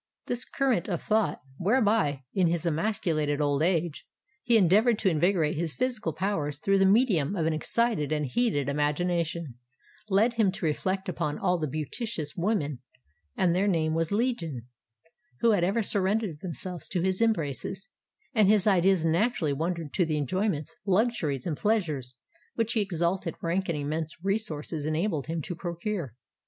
This current of thought, whereby, in his emasculated old age, he endeavoured to invigorate his physical powers through the medium of an excited and heated imagination, led him to reflect upon all the beauteous women—and their name was Legion—who had ever surrendered themselves to his embraces; and his ideas naturally wandered to the enjoyments, luxuries, and pleasures which his exalted rank and immense resources enabled him to procure.